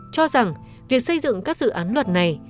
cho rằng việc xây dựng các dự án luật này